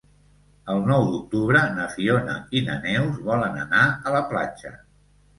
El nou d'octubre na Fiona i na Neus volen anar a la platja.